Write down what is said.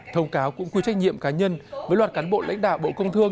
thông cáo cũng quy trách nhiệm cá nhân với loạt cán bộ lãnh đạo bộ công thương